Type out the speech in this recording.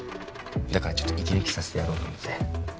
だからちょっと息抜きさせてやろうと思って。